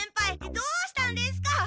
どうしたんですか！